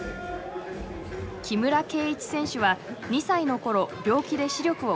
木村敬一選手は２歳の頃病気で視力を失いました。